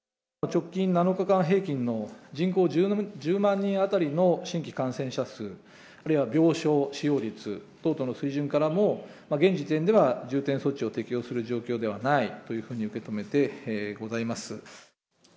直近７日間平均の人口１０万人当たりの新規感染者数、あるいは病床使用率等々の水準からも、現時点では重点措置を適用する状況ではないというふうに受け止めてございます。